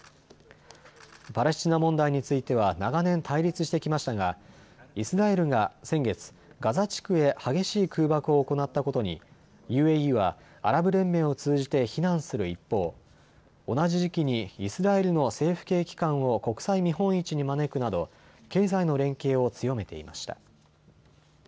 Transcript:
パレスチナ問題については長年対立してきましたがイスラエルが先月、ガザ地区へ激しい空爆を行ったことにＵＡＥはアラブ連盟を通じて非難する一方、同じ時期にイスラエルの政府系機関を国際見本市に招くなど経済の連携を強めていました。